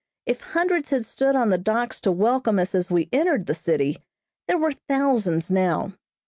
If hundreds had stood on the docks to welcome us as we entered the city, there were thousands now.